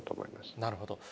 なるほど。